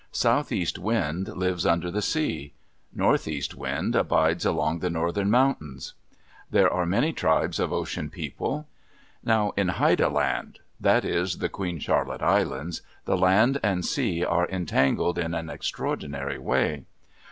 Southeast Wind lives under the sea. Northeast Wind abides along the northern mountains. There are many tribes of Ocean People. Now in Haida Land, that is, the Queen Charlotte Islands, the land and sea are entangled in an extraordinary way.